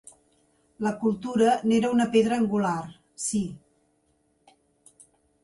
La cultura n’era una pedra angular, sí.